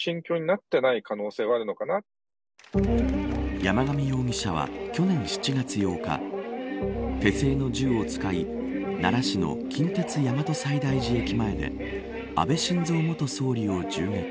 山上容疑者は、去年７月８日手製の銃を使い奈良市の近鉄・大和西大寺駅前で安倍晋三元総理を銃撃。